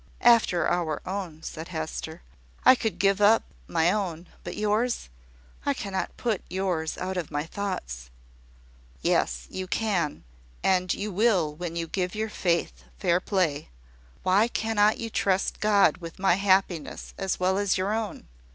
"After our own," said Hester. "I could give up my own. But yours! I cannot put yours out of my thoughts." "Yes, you can; and you will when you give your faith fair play. Why cannot you trust God with my happiness as well as your own?